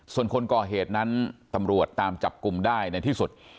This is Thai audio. ส่วนคนก่อเหตุนั้นตำรวจตามจับกลุ่มได้ในที่สุด